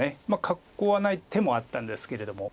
囲わない手もあったんですけれども。